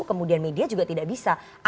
kemudian media juga tidak bisa